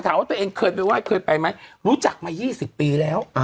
ถามว่าตัวเองเกิดไปว่าให้เคยไปไหมรู้จักมายี่สิบปีแล้วอ๋อ